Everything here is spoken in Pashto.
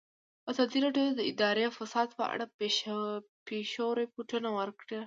ازادي راډیو د اداري فساد په اړه د پېښو رپوټونه ورکړي.